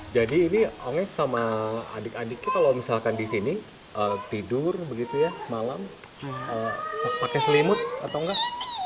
jadi ini sama adik adik kita kalau misalkan di sini tidur malam pakai selimut atau enggak